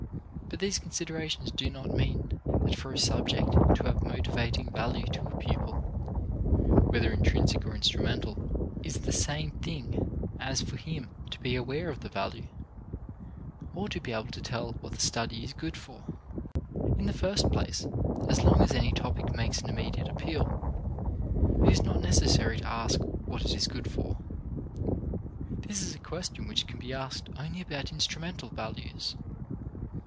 But these considerations do not mean that for a subject to have motivating value to a pupil (whether intrinsic or instrumental) is the same thing as for him to be aware of the value, or to be able to tell what the study is good for. In the first place, as long as any topic makes an immediate appeal, it is not necessary to ask what it is good for. This is a question which can be asked only about instrumental values.